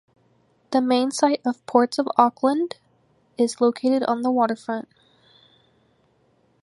The main site of Ports of Auckland is located on the waterfront.